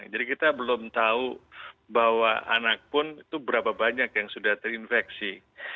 kita belum tahu bahwa anak pun itu berapa banyak yang sudah terinfeksi